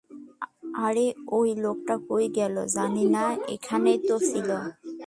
আরে ওই লোক কই গেল, - জানি না, এখানেই তো ছিল।